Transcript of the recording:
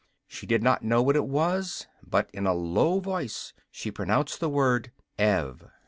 She did not know what it was, but in a low voice she pronounced the word "Ev."